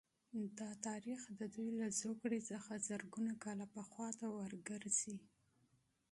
دا تاریخ د دوی له پیدایښت څخه زرګونه کاله پخوا ته ورګرځي